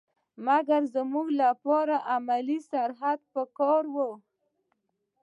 مګر زموږ لپاره علمي سرحد په کار وو.